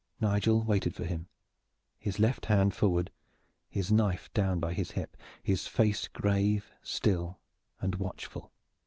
Nigel waited for him, his left hand forward, his knife down by his hip, his face grave, still and watchful.